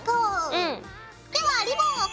うん。